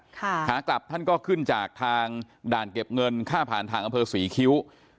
ขากลับท่านก็ขึ้นจากทางด่านเก็บเงินค่าผ่านทางอำเภอศรีคิ้ว